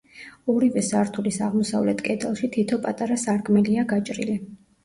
ორივე სართულის აღმოსავლეთ კედელში თითო პატარა სარკმელია გაჭრილი.